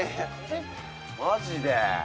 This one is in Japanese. マジで。